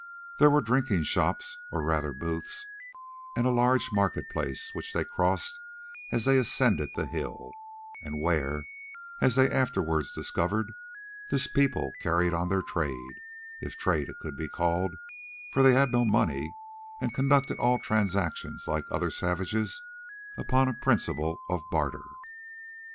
There were drinking shops, or rather booths, and a large market place, which they crossed as they ascended the hill, and where, as they afterwards discovered, this people carried on their trade, if trade it could be called, for they had no money, and conducted all transactions like other savages, upon a principle of barter.